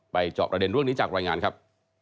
จอบประเด็นเรื่องนี้จากรายงานครับ